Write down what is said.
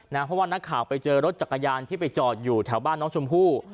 เพราะว่านักข่าวไปเจอรถจักรยานที่ไปจอดอยู่แถวบ้านน้องชมพู่